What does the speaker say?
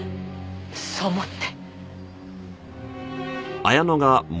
そう思って。